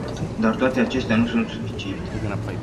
Dar toate acestea nu sunt suficiente.